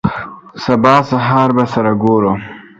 سبا سهار به سره ګورو.